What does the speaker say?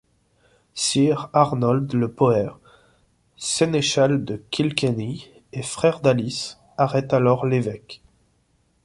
Sir Arnold le Poer, sénéchal de Kilkenny et frère d'Alice, arrête alors l'évêque.